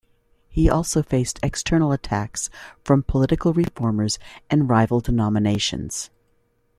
He also faced external attacks from political reformers and rival denominations.